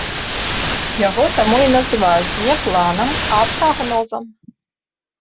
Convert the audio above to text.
Яго таму і называюць не планам, а прагнозам.